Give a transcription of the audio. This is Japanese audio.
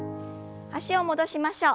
脚を戻しましょう。